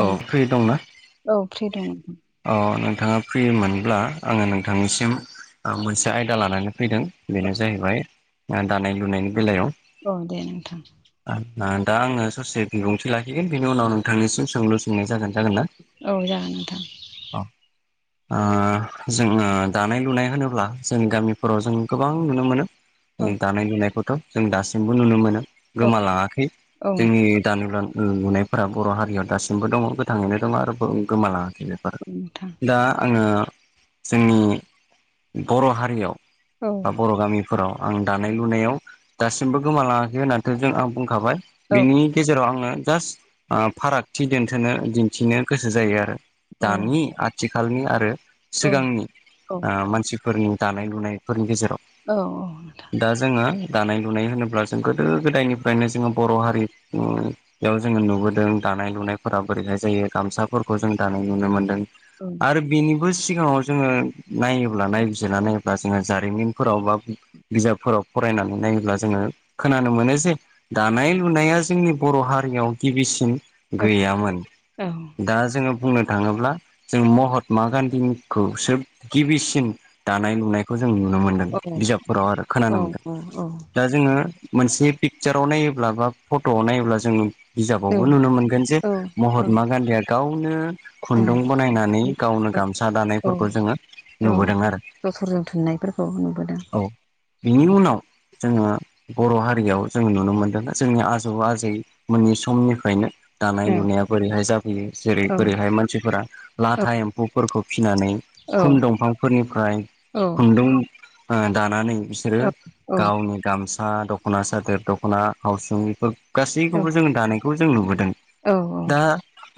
औ फ्रि दंना औ फ्रि दं नोंथां अ नोंथाङा फ्रि मोनब्ला आङो नोंथांनिसिम मोनसे आयदा लानानै फैदों बेनो जाहैबाय दानाय लुनायनि बेलायाव अ दे नोंथां दा आङो ससे बिबुंथि लाखिगोन बेनि उनाव नोंथांनिसिम सोंलु सोंनाय जागोन जागोन ना औ जागोन नोंथां औ ओ जोङो दानाय लुनाय होनोब्ला जोंनि गामिफोराव जों गोबां नुनो मोनो औ दानाय लुनायखौथ' जों दासिमबो नुनो मोनो गोमालाङाखै जागोन जोंनि दान लुनायफोरा बर' हारियाव दासिम बो दङ गोथाङैनो दङ आरो बर' गोमालाङाखै बेफोरो नोंथां दा आङो जोंनि बर' हारियाव औ बा बर' गामि फोराव आं दानाय लुनायाव दासिमबो गोमालाङाखै होननानैथ' जोङो बुंखाबाय औ नोंथां औ बिनि गेजेराव आङो जास्ट ओ फाराग थि दोन्थोनो दिन्थिनो गोसो जायो आरो औ दानि आथिखालनि आरो सिगांनि औ मानसिफोरनि दानाय लुनायफोरनि गेजेराव औ औ नोंथां दा जोङो दानाय लुनाय होनोब्ला जों गोदो गोदायनिफ्रायनो जोङो बर' हारिमु बेयाव जोङो नुबोदों दानाय लुनायफोराहाय बोरैहाय जायो गामसाफोरखौ जों दानो लुनो मोनदों आरो बिनिबो सिगाङाव जोङो नायोब्ला नायबिजिरना नायोब्ला जोङो जारिमिनफोराव बा बिजाबफोराव फरायनानै नायोब्ला जोङो खोनानो मोनो जे नोंथां दानाय लुनाया जोंनि बर' हारियाव गिबिसिन गैयामोन दा जोङो बुंनो थाङोब्ला जों महात्मा गान्धीनिखौसो गिबिसिन दानाय लुनायखौ जों नुनो मोनो औ बिजाबफोराव आरो औ खोनानो मोनगोन औ दा जोङो मोनसे पिकसाराव नायोब्ला बा फटआव नायोब्ला जोङो बिजाबावबो नुनो मोन जे महात्मा गान्धीया गावनो खुन्दुं बानायनानै गावनो गामसा दानायफोरखौ जोङो नुबोदों आरो जोथरजों थुननायफोरखौ नुबोदों औ बिनि उनाव जोङो बर' हारियाव जोङो नुनो मोनदों जोंनि आजौ आजैमोननि समनिफ्रायनो दानाय औ लुनाया बोरैहाय जाफैयो जेरै औ बोरैहाय मानसिफोरा औ लाथा एम्फौफोरखौ फिसिनानै औ खुन दंफांफोरनिफ्राय औ खुन्दुं ओ दानानै बिसोरो औ औ गावनि गामसा दखना सादोर दखना थवसुमि फोर गासैखौबो जोङो दानायखौ जों नुबोदों दा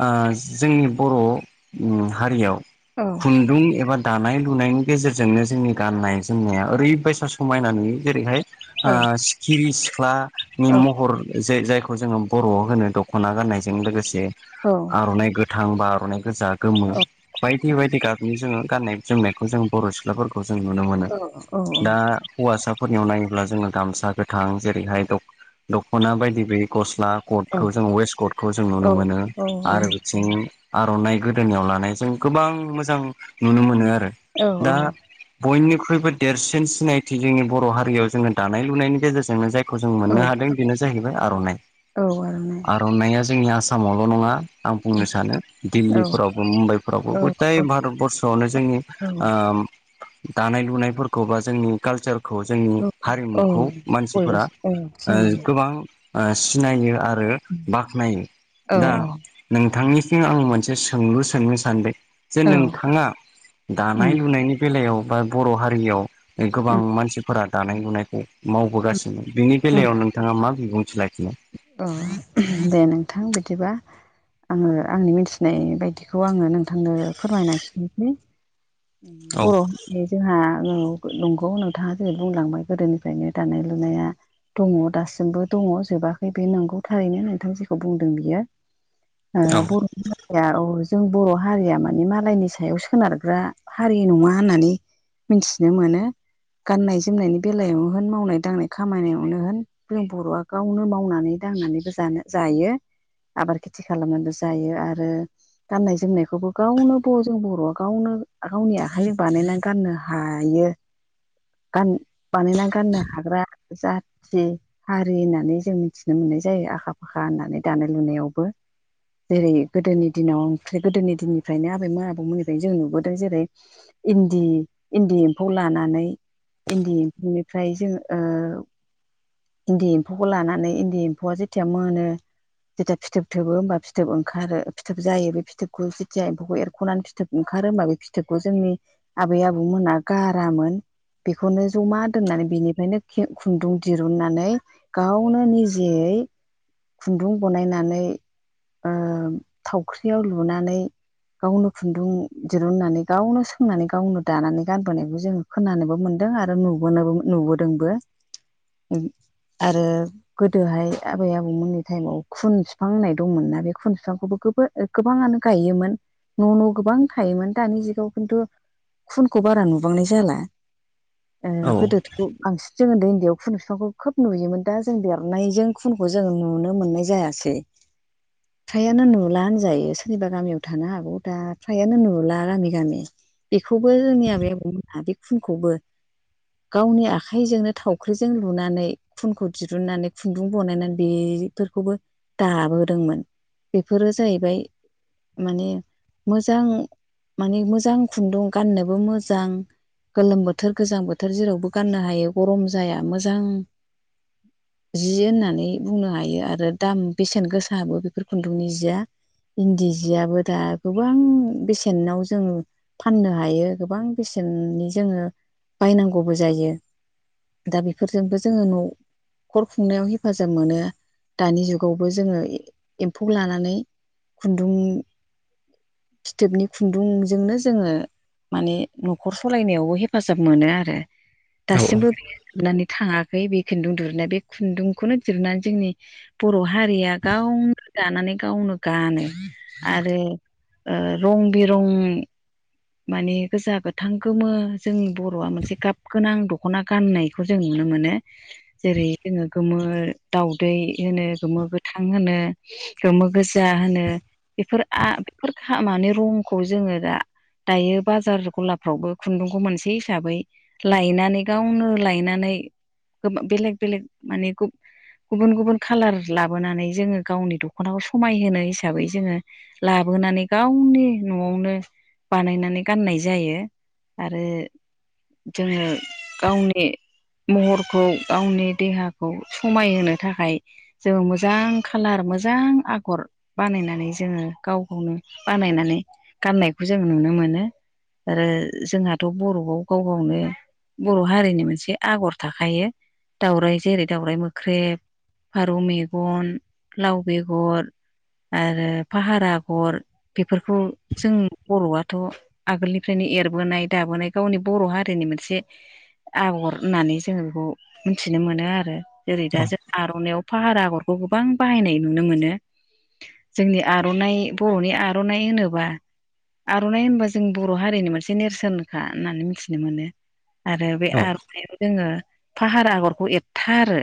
आ जोंनि बर' हारियाव औ खुन्दुं एबा दानाय लुनायनि गेजेरजोंनो जोंनि गाननाय जोमनाया ओरैबायसा समायना नुयो जेरैहाय आ औ सि खिरि सिख्लानि महर जे जायखौ जोङो बर'आव होनो दखना गाननाय जों लोगोसे औ आरनाइ गोथां बा आरनाइ गोजा गोमो बायदि बायदि गाबनि जोङो गाननाय जोमनायखौ जों बर' सिख्लाफोरखौ जों नुनो मोनो औ औ दा हौवासाफोरनियाव नायोब्ला जोङो गामसा गोथां जेरैहाय दख दखना बायदि बैयै गस्ला कटखौ जों वेस्ट कटखौ जों नुनो मोनो औ आरो बिथिं आरनाइ गोदोनियाव लानायजों गोबां मोजां नुनो मोनो आरो औ दा औ बयनिख्रुइबो देरसिन सिनायथि जोंनि बर' हारियाव जोङो दानाय लुनायनि गेजेरजोंनो जा यखौ जों औ मोननो हादों बेनो जाहैबाय आरनाइ औ आरनाइ आरनाइया जोंनि आसामावल नङा आं बुंनो सानो औ दिल्लीफोरावबो मुम्बाइफोरावबो औ गदाय भारत बरर्सआवनो जोंनि औ ओ दानाय लुनायफोरखौ बा जोंनि कालचार खौ जोंनि औ औ हारिमुखौ मानसिफोरा बयबो औ ओ सिनायो गोबां सिनायो आरो बाख्नायो औ दा नोंथांनिसिम आं मोनसे सोंलु सोंनो सानदों जे औ नोंथाङा उम दानाय लुनायनि बेलायाव बा बर' हारियाव गोबां उम मानसिफोरा दानाय लुनायखौ मावबोगासिनो बिनि उम बेलायाव नोंथाङा मा बिबुंथि लाखिनो औ दे नोंथां बिदिबा आङो आंनि मिथिनाय बायदिखौ आङो नोंथांनो फोरमायनानै होनोसै औ बर' बे जोंहा नंगौ नोंथाङा दिनै बुंलांबाय गोदोनिफ्रायनो दानाय लुनाया दङ दासिमबो दङ जोबाखै बे नंगौ थारैनो नोंथां जेखौ बुंदों बियो ओ औ बर'नि हारिया औ जों बर' हारिया माने मालायनि सायाव सोनारग्रा हारि नङा होननानै मिथिनो मोनो गाननाय जोमनायनि बेलायावनो होन मावनाय दांनाय खामानियावनो होन जों बर'आ गावनो मावनानै दांनानैबो जानो जायो आबाद खेथि खालामनानैबो जायो आरो गाननाय जोमनायखौबो गावनो बर जों बर'आ गावनो गावनि आखाइजों बानायना गाननो हायो गान बानायना गाननो हाग्रा जाथि हारि होननानै जों मिथिनो मोननाय जायो आखा फाखा होननानै दानाय लुनायावबो जेरै गोदोनि दिनाव ओमफ्राय गोदोनि दिननिफ्रायनो आबैमोना आबौमोननिफ्रायनो जों नुबोदों जेरै इन्दि इन्दि एम्फौ लानानै इन्दि एम्फौनिफ्राय जोङो इन्दि एम्फौखौ लानानै इन्दि एम्फौआ जेथिया मोनो जथिया फिथोब थोबो होमबा फिथोब ओंखारो फिथोब जायो बे फिथोबखौ जेथिया एम्फौखौ एरख'नानै फिथोब फिथोब ओंखारो होनोमबा बे फिथोबखौ जोंनि आबै आबौमोना गारामोन बेखौनो जमा दोननानै बेनिफ्रायनो खुन्दुं दिरुननानै गावनो निजेयै खुन्दुं बनायनानै थावख्रियाव लुनानै गावनो खुन्दुं जोब रुनानै गावनो सोंनानै गावनो दानानै गानबोनायखौ जोङो खोनानोबो मोन्दों आरो नुबोनोबो नुबोदों नुबोदोंबो आरो गोदोहाय आबै आबौमोननि टाइमाव खुन बिफां होननाय दंमोन ना बे खुन बिफांखौबो गोबां गोबाङानो गायोमोन न' न' गोबां थायोमोन दानि जुगाव खिन्थु खुनखौ बारा नुबांनाय जाला औ गोदो बांसि जोङो दै उन्दैयाव फुन बिफांखौ खोब नुयोमोन दा जों देरनायजों खुनखौ जों नुनो मोननाय जायासै [unintelligible] फ्रायानो नुला होनजायो सोरनिबा गामियाव थानो हागौ दा फ्रायानो नुला गामि गामि बेखौबो जोंनि आबै आबौमोनहा बे खुनखौबो गावनि आखाइजोंनो थावख्रिजों लुनानै खुनखौ दिरुननानै खुन्दुं बनायनानै बेफोरखौबो दाबोदोंमोन बेफोरो जाहैबाय माने मोजां माने मोजां खुन्दुं गाननोबो मोजां गोलोम बोथोर गोजां बोथोर जेरावबो गाननो हायो गरम जाया मोजां [inaudible] जि होननानै बुंनो हायो आरो दाम बेसेन गोसाबो बेफोर खुन्दुंनि जिया इन्दि जियाबो दा गोबां बेसे बेसेनाव जोंङो फाननो हायो गोबां बेसेननि जोङो बायनांगौबो जायो दा बेफोरजोंबो जोङो न' न'खर खुंनायाव हेफाजाब मोनो दानि जुगावबो जोङो एम्फौ लानानै खुन्दुं फिथोबनि खुन्दुंजोंनो जोङो माने न'खर सालायनायावबो हेफाजाब मोनो आरो औ दासिमबो जोनानै थाङाखै बे खुन्दुं दुरुननाया बे खुन्दुंखौनो दुरुननानै जोंनि बर' हारिया गावनो दानानै गावनो गानो आरो रं बिरं माने गोजा गोथां गोमो जोंनि बर'आ मोनसे गाब गोनां दख'ना गाननाय खौ जों नुनो मोनो जेरै जोङो गोमो दाउदै होनो गोमो गोथां होनो गोमो गोजा होनो बेफोर बेफोर मानि रंखौ जोङो दा दायो बाजार गलाफ्रावबो खुन्दुंखौ मोनसे हिसाबै लायनानै गावनो लायनानै बेलेग बेलेग माने गुबुन गुबुन खालार लाबोनानै जोङो गावनि दख'नाखौ समायहोनो हिसाबै जोङो लाबोनानै गावनि न'आवनो बानायनानै गाननाय जायो आरो जोङो गावनि महरखौ गावनि देहाखौ समायहोनो थाखाय जों मोजां खालार मोजां आगर बानायनानै जोङो गाव गावनो बानायनानै गाननायखौ जों नुनो मोनो आरो जोंहाथ' बर'आव गाव गावनो बर' हारिनि मोनसे आगर थाखायो दाउराइ जेरै दावराइ मोख्रेब फारौ मेगन लाव बेगर आरो फाहार आगर बेफोरखौ जों बर'आथ' आगोलनिफ्रायनो एरबोनाय दाबोनाय गावनि बर' हारिनि मोनसे आगर होननानै जोङो बेखौ मिथिनो मोनो आरो जेरै औ दा जों आर'नाइयाव फाहार आगरखौ गोबां बाहायनाय नुनो मोनो जोंनि आर'नाइ बर'नि आर'नाइ होनोबा आर'नाइ होनबा जों बर' हारिनि मोनसे नेरसोनखा होननानै मिथिनो मोनो आरो बे औ आर'नाइयाव जोङो फाहार आगरखौ एरथारो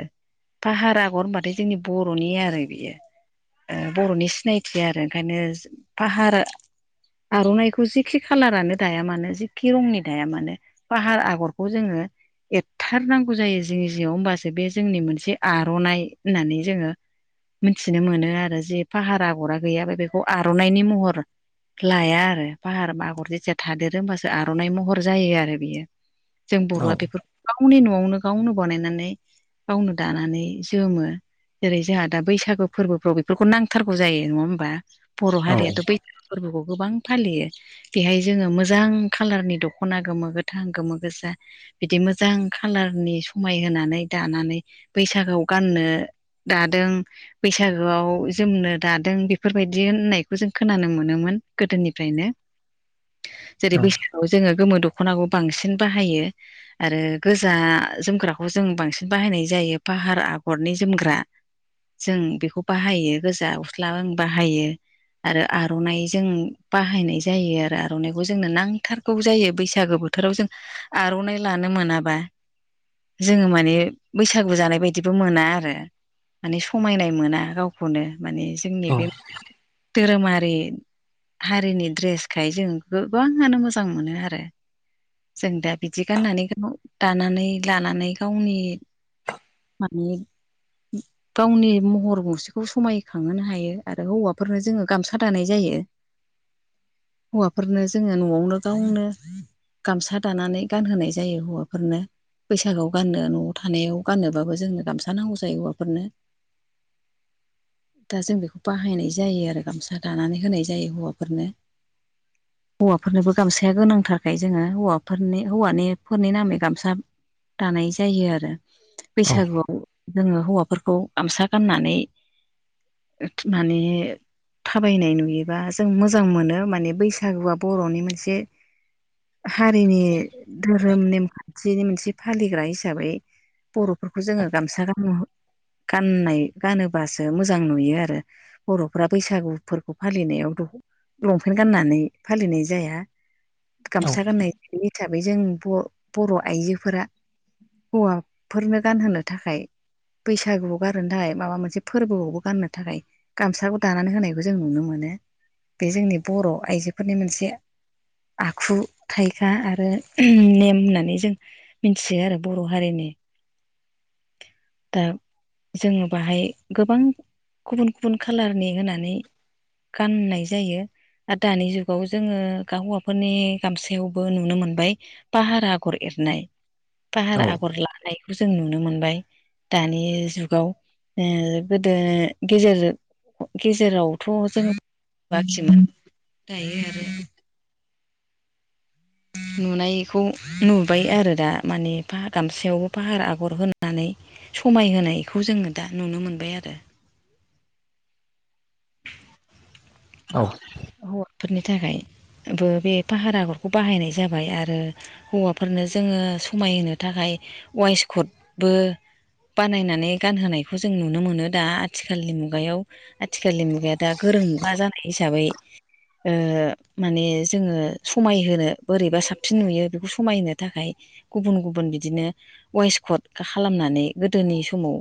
फाहार आगर होनबाथाय जोंनि बर'नि आरो बियो बर'नि सिनायथि आरो ओंखायनो फाहार आर'नाइखौ जिखि खालारानो दाया मानो जिखि रंनि दाया मानो फाहार आगरखौ जोङो एरथारनांगौ जायो जोंनि जिं जिङा होमबासो बे जोंनि मोनसे आर'नाइ होननानै जोङो मिथिनो मोनो आरो जे फाहार आगरा गैयाबा बेखौ आर'नाइनि महर लाया आरो फाहार आगर जेथिया थादेरो होमबासो आर'नाइ महर जायो आरो बियो जों औ बर'आ बेफोरखौ गावनि न'आवनो गावनो बानायनानै गावनो दानानै जोमो जेरै जोंहा दा बैसागु फोरबोफ्राव बेफोरखौ नांथारगौ जायो नङा होमबा बर' हारियाथ बैसागु फोरबोखौ गोबां फालियो बेहाय जोङो मोजां खाालारनि दख'ना गोमो गोथां गोमो गोजा बिदि मोजां खाालारनि समाय होनानै दानानै बैसागोआव गाननो दादों बैसागोआव जोमनो दादों बेफोरबायदि होननायखौ जों खोनानो मोनोमोन गोदोनिफ्रायनो जेरै बैसागु आव जोङो गोमो दखनाखौ बांसिन बाहायो आरो गोजा जोमग्राखौ जों बांसिन बाहायनाय जायो फाहार आगरनि जोमग्रा जों बेखौ बाहायो गोजा गस्ला जों बाहायो आरो आरनाइ जों बाहायनाय जायो आरो आरनाइखौ जोंनो नांथारगौ जायो बैसागो बोथोराव जों आरनाइ लानो मोनाबा जोङो माने बैसागु जानाय बायदिबो मोना आरो माने समायनाय मोना गावखौनो माने जोंनि बे धोरोमारि हारिनि ड्रेसखाय जों गोबाङानो मोजां मोनो आरो जों दा बिदि गाननानै दानानै लानानै गावनि माने [unintelligible] गावनि महर मुसेखौ समायखांहोनो हायो आरो हौवाफोरनो जोङो गामसा दानाय जायो हौवाफोरनो जोङो न'आवनो गावनो गामसा दानानै गानहोनाय जायो हौवाफोरनो बैसागोआव गाननो न'आव थानायाव गानोबाबो जोंनो गामसा नांगौ जायो हौवाफोरनो [inaudible] दा जों बेखौ बाहायनाय जायो आरो गामसा दानानै होनाय जायो हौवाफोरनो [inaudible] हौवाफोरनोबो गामसाया गोनांथारखाय जोङो हौवाफोरनि हौवानिफोरनि नामै गामसा दानाय जायो आरो बैसागुआव जोङो हौवाफोरखौ गामसा गाननानै माने थाबायनाय नुयो बा जों मोजां मोनो माने बैसागुआ बर'नि मोनसे हारिनि धो रोम नेमखान्थिनि मोनसे फालिग्रा हिसाबै बर'फोरखौ जोङो गामसा गान गाननाय गानोबासो मोजां नुयो आरो बर'फ्रा बैसागु फोरबोखौ फालिनायाव लंपेन्ट गाननानै फालिनाय जाया गामसा गाननाय हिसाबै जों ब बर' आइजोफोरा हौवाफोरनो गानहोनो थाखाय बैसागुआव गारोनो थाखाय माबा मोनसे फोरबोआवबो गाननो थाखाय गामसाखौ दानानै होनायखौ जों नुनो मोनो बे जोंनि बर' आइजोफोरनि मोनसे आखु थाइखा आरो नेम होननानै जों मिथियो आरो बर' हारिनि दा जोङो बाहाय गोबां गुबुन गुबुन खाालारनि होनानै गाननाय जायो आरो दानि जुगाव जोङो हौवाफोरनि गामसायावबो नुनो मोनबाय पाहार आगर एरनाय औ फाहार आगर लानायखौ जों नुनो मोनबाय दानि जुगाव गोदो गेजेर गेजेरावथ जोङो बांसिन दायो आरो नुनायखौ नुबाय आरो दा माने फा गामसायावबो फाहार आगर होनानै समायहायखौ जोङो दा नुनो मोनबाय आरो औ हौवरफोरनि थाखायबो बे फाहार आगरखौ बाहायनाय जाबाय आरो हौवाफोरनो जोङो समायहो थाखाय वास कदबो बानायनानै गानहोनायखौ जों नुनो मोनो दा आथिखालनि मुगायाव आथिखालनि मुगाया दा गोरों मा जानाय हिसाबै माने जोङो समायहोनो बोरैबा साबसिन नुयो बेखौ समायहोनो थाखाय गुबुन गुबुन बिदिनो वइेस कड खालामनानै गोदोनि समाव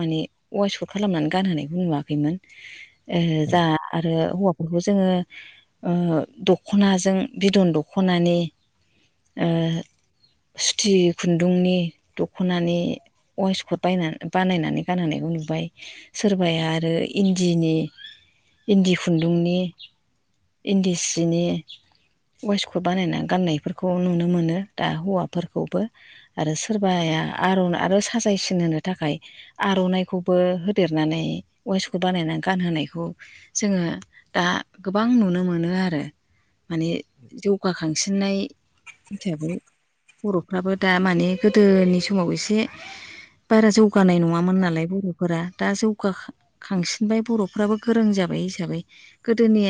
माने वयोस्ट कट खालामनानै गानहोनायखौ नुवाखैमोन। ओ जाहा आरो हौवाफोरखौ जोङो दख'नाजों बिदन दख'नानि सुथि खुन्दुंनि दख'नानि अवेस कट बायनानै बानायनानै गानहोननायखौ नुबाय सोरबाया आरो इन्दिनि इन्दि खुन्दुंनि इन्दि सिनि ववेस कट बानायना गाननायफोरखौ नुनो मोनो दा हौवाफोरखौबो। आरो सोरबाया आर'न आरो साजायसिनो होनो थाखाय आर'नाइखौबो होदेरनानै ववेसखौ बानायनानै गानहोनायखौ जोङो दा गोबां नुनो मोनो आरो माने जौगाखांसिननाय हिसाबै बर'फ्राबो दा माने गोदोनि समाव एसे बारा जौगानाय नङामोन नालाय बर'फोरा दा जौगा खांसिनबाय बर'फ्राबो गोरों जाबाय हिसाबै गोदोनि